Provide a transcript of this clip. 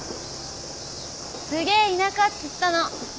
すげえ田舎っつったの！